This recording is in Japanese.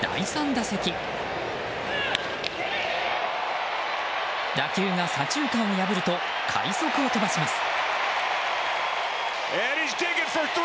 打球が左中間を破ると快足を飛ばします。